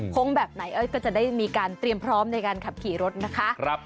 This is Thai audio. แบบไหนก็จะได้มีการเตรียมพร้อมในการขับขี่รถนะคะ